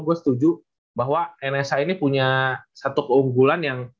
gue setuju bahwa nsh ini punya satu keunggulan yang